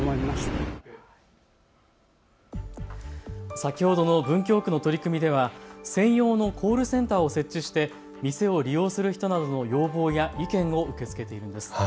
先ほどの文京区の取り組みでは専用のコールセンターを設置して店を利用する人などの要望や、意見を受け付けているんです。